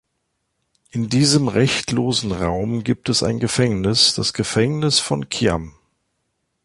In diesem rechtlosen Raum gibt es ein Gefängnis, das Gefängnis von Khiam.